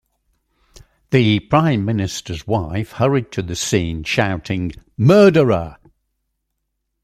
The Prime Minister's wife hurried to the scene, shouting Murderer!